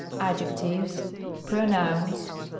n. Adjectives. n. Pronouns.